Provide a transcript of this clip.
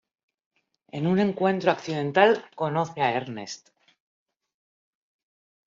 En un encuentro accidental conoce a Ernest.